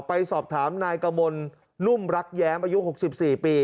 ไปสอบถามนายกมลนุ่มรักแย้มอายุ๖๔ปี